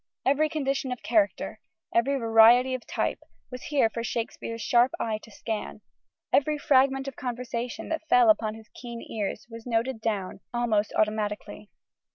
Every condition of character, every variety of type, was here for Shakespeare's sharp eyes to scan: every fragment of conversation that fell upon his keen ears was noted down almost automatically.